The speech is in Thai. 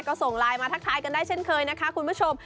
ก็ส่งไลน์มาทักทายกันได้เช่นเคยนะคะคุณผู้ชม